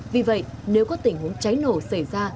vì vậy nếu có tình huống cháy nổ xảy ra